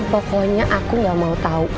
pokoknya aku gak mau tahu